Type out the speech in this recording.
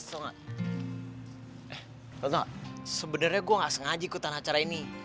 tunggu sebenarnya gue nggak sengaja ikutan acara ini